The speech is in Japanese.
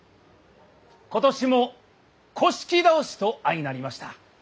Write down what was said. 今年も倒しと相成りました。